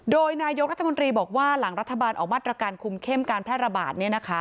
โดยนายกรัฐมนตรีบอกว่าหลังรัฐบาลออกมาตรการคุมเข้มการแพร่ระบาด